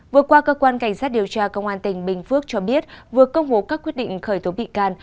vừa qua cơ quan cảnh sát điều tra công an tỉnh bình phước cho biết vừa công bố các quyết định khởi tố bị can